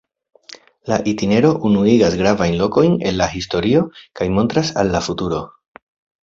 La itinero unuigas gravajn lokojn el la historio kaj montras al la futuro.